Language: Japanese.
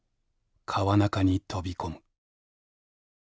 河中に飛び込む。